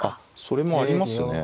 それもありますね。